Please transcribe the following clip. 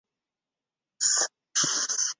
多用途事务协议。